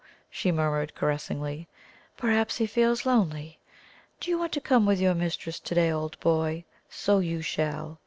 she murmured caressingly. "Perhaps he feels lonely. Do you want to come with your mistress to day, old boy? So you shall.